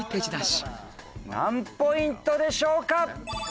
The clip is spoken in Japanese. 何ポイントでしょうか？